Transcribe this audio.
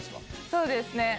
そうですね。